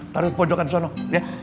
taruh di pojokan sana ya